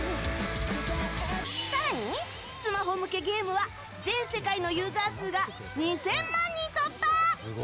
更に、スマホ向けゲームは全世界のユーザー数が２０００万人突破！